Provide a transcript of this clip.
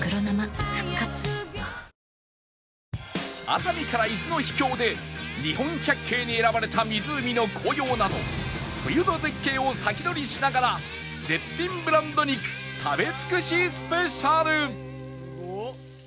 熱海から伊豆の秘境で日本百景に選ばれた湖の紅葉など冬の絶景を先取りしながら絶品ブランド肉食べ尽くしスペシャル